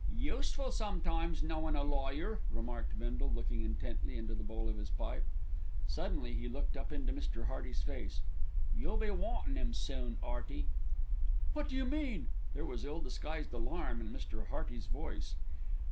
"Useful sometimes knowin' a lawyer," remarked Bindle, looking intently into the bowl of his pipe. Suddenly he looked up into Mr. Hearty's face. "You'll be wantin' 'im soon, 'Earty." "What do you mean?" There was ill disguised alarm in Mr. Hearty's voice.